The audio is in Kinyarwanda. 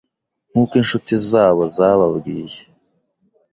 nkuko inshuti zabo zababwiye.